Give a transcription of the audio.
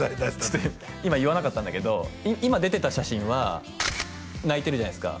今言わなかったんだけど今出てた写真は泣いてるじゃないですか